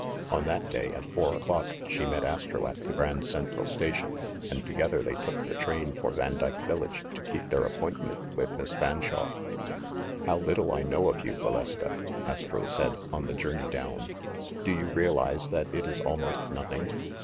On that day, at four o'clock, she met Astro at the Grand Central Station, and together they took the train for Vandyke village to keep their appointment with Miss Fanshawe. "How little I know of you, Valeska," Astro said, on the journey down. "Do you realize that it is almost nothing?